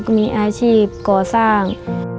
มีอาชีพก่อสร้าง